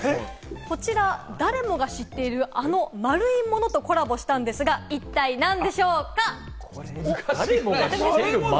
こちら、誰もが知っている、あの丸いものとコラボしたんですが、一体、何でしょうか？